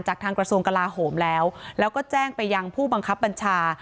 ทางกระทรวงกลาโหมแล้วแล้วก็แจ้งไปยังผู้บังคับบัญชา